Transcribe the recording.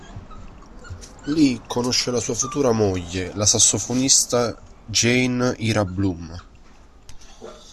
Lì conosce la sua futura moglie, la sassofonista Jane Ira Bloom.